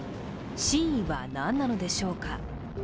真意は何なのでしょうか。